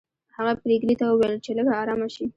هغه پريګلې ته وویل چې لږه ارامه شي